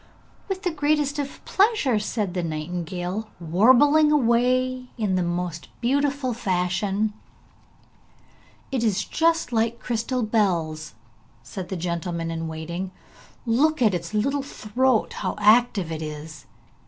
'With the greatest of pleasure!' said the nightingale, warbling away in the most delightful fashion. 'It is just like crystal bells,' said the gentleman in waiting. 'Look at its little throat, how active it is.